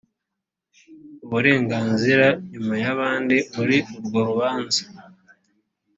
uburenganzira nyuma y abandi muri urwo rubanza